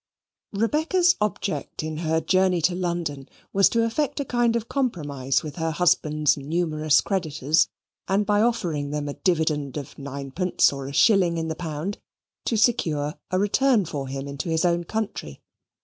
Rebecca's object in her journey to London was to effect a kind of compromise with her husband's numerous creditors, and by offering them a dividend of ninepence or a shilling in the pound, to secure a return for him into his own country.